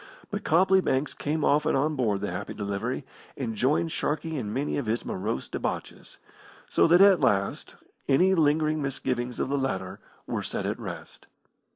But Copley Banks came often on board the Happy Delivery, and joined Sharkey in many of his morose debauches, so that at last any lingering misgivings of the latter were set at rest.